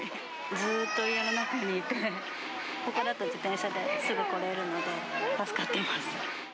ずっと家の中にいて、ここだと自転車ですぐ来れるので、助かっています。